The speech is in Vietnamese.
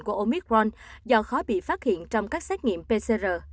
của omicron do khó bị phát hiện trong các xét nghiệm pcr